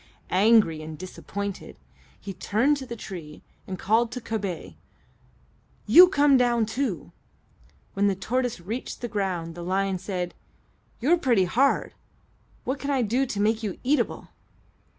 Angry and disappointed, he turned to the tree and called to Kobay, "You come down, too." When the tortoise reached the ground, the lion said, "You're pretty hard; what can I do to make you eatable?"